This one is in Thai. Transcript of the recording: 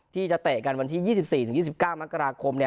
ที่จะเตะกันวันที่๒๔๒๙มค